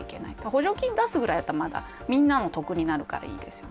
補助金出すぐらいだったらみんなの得になるからいいですよ。